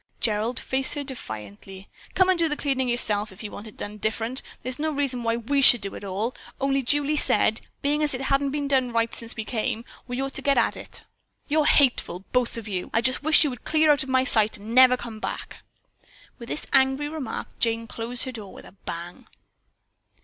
Gerald faced her defiantly. "Come and do the cleaning yourself if you want it done different. There's no reason why we should do it at all, only Julie said, being as it hadn't been done right since we came, we'd ought to get at it." "You're just hateful, both of you! I wish you would clear out of my sight and never come back!" With this angry remark, Jane closed her door with a bang.